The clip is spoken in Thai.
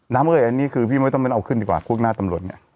เอ้ยอันนี้คือพี่ไม่ต้องไปเอาขึ้นดีกว่าพวกหน้าตำรวจเนี่ย